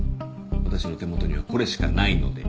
私の手元にはこれしかないので。